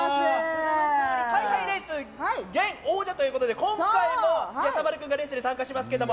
ハイハイレース現王者ということで今回もやさまる君がレースに参加しますけども。